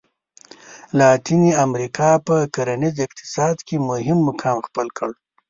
لاتیني امریکا په کرنیز اقتصاد کې مهم مقام خپل کړ.